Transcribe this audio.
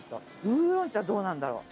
ウーロン茶どうなんだろう？